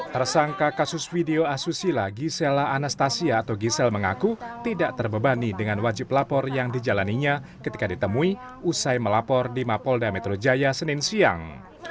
tersangka kasus video asusila gisela anastasia atau gisel mengaku tidak terbebani dengan wajib lapor yang dijalaninya ketika ditemui usai melapor di mapolda metro jaya senin siang